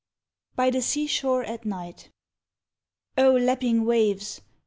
BY THE SEA SHORE AT NIGHT. Oh lapping waves!